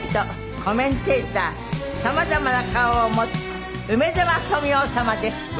コメンテーター様々な顔を持つ梅沢富美男様です。